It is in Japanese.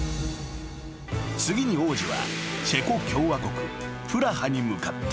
［次に王子はチェコ共和国プラハに向かった］